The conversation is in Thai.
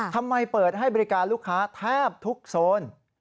ทำไมเปิดให้บริการลูกค้าแทบทุกโซน